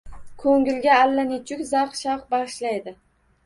Ko‘ngilga allanechuk zavq-shavq bag‘ishlaydi.